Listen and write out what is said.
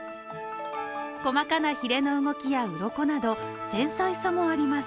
細かなひれの動きやうろこなど、繊細さもあります。